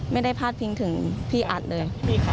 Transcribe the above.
ไม่ได้พาดพิงถึงพี่อัดเลย